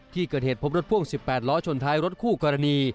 ที่เกิดเหตุพบรถพ่วง๑๘ล้อชนท้ายรถคู่กรณี